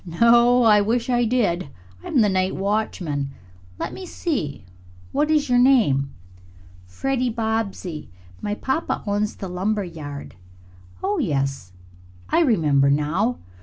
"No; wish I did. I'm the night watchman. Let me see, what is your name?" "Freddie Bobbsey. My papa owns the lumber yard." "Oh, yes, I remember now.